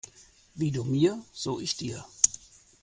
Wie du mir, so ich dir.